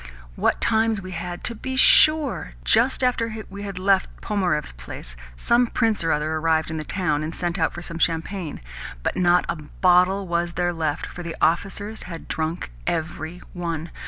What times we had, to be sure! Just after we had left Pnomarev's place, some prince or another arrived in the town, and sent out for some champagne; but not a bottle was there left, for the officers had drunk every one!